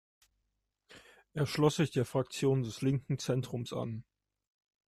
Er schloss sich der Fraktion des Linken Zentrums an.